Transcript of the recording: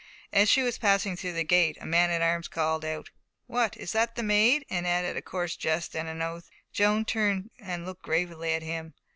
As she was passing through the gate, a man at arms called out, "What, is that the Maid?" and added a coarse jest and an oath. Joan turned and looked gravely at him.